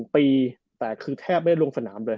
๒ปีแต่คือแทบไม่ลงสนามเลย